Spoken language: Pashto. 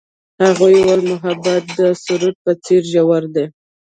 هغې وویل محبت یې د سرود په څېر ژور دی.